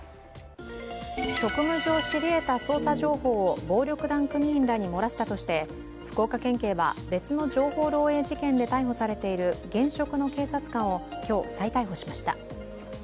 職務上知り得た捜査情報を暴力団組員らに漏らしたとして福岡県警は別の情報漏えい事件で逮捕されている現職の警察官を今日再逮捕しました。